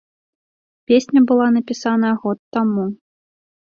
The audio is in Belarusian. Песня была напісаная год таму.